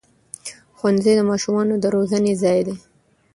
ښوونځی د ماشومانو د روزنې ځای دی